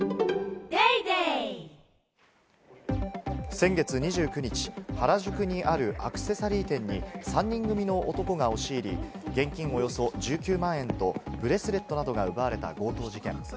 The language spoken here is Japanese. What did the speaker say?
先月２９日、原宿にあるアクセサリー店に３人組の男が押し入り、現金およそ１９万円とブレスレットなどが奪われた強盗事件。